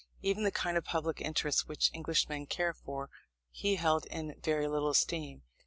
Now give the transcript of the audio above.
Even the kind of public interests which Englishmen care for, he held in very little esteem.